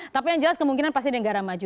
tapi yang jelas kemungkinan pasti negara maju